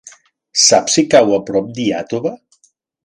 Saps si cau a prop d'Iàtova?